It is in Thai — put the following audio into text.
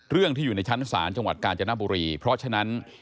ที่อยู่ในชั้นศาลจังหวัดกาญจนบุรีเพราะฉะนั้น